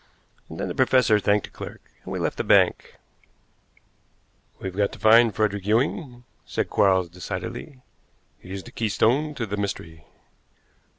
And then the professor thanked the clerk, and we left the bank. "We've got to find Frederick Ewing," said Quarles decidedly. "He is the keystone to the mystery.